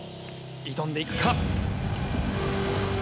挑んでいくか。